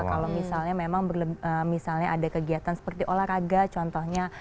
kalau misalnya memang misalnya ada kegiatan seperti olahraga contohnya